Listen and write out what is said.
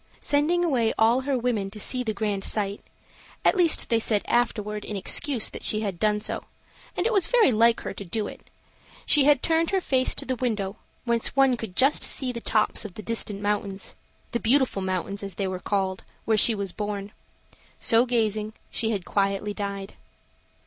Sending away all her women to see the grand sight, at least they said afterward, in excuse, that she had done so, and it was very like her to do it, she had turned with her face to the window, whence one could just see the tops of the distant mountains the Beautiful Mountains, as they were called where she was born. So gazing, she had quietly died.